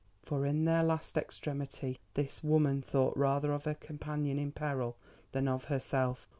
For in their last extremity this woman thought rather of her companion in peril than of herself.